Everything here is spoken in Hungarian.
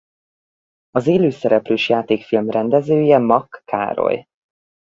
Az élőszereplős játékfilm rendezője Makk Károly.